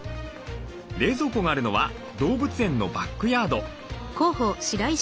冷蔵庫があるのは動物園のバックヤード。